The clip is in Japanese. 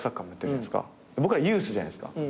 僕らユースじゃないですか。